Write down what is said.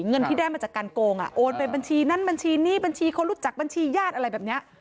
เงินที่ได้มาจากการโกงโอนไปบัญชีนั้นบัญชีนี้บัญชีคนรู้จักบัญชีญาติอะไรแบบนี้